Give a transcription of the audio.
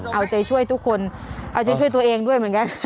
เอาใจช่วยทุกคนเอาใจช่วยตัวเองด้วยเหมือนกัน